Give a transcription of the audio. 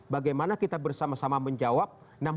bagaimana kita bersama sama menjawab